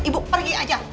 ibu pergi aja